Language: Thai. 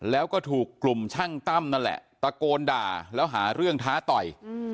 แล้วก็ถูกกลุ่มช่างตั้มนั่นแหละตะโกนด่าแล้วหาเรื่องท้าต่อย